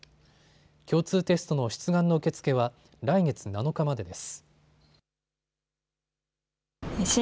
共通テストの出願の受け付けは来月７日までです。